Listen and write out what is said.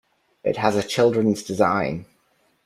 It has a children's design.